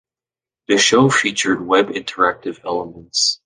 The show featured web-interactive elements.